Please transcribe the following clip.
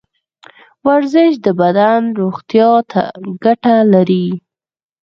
ورزش د بدن روغتیا ته ګټه لري.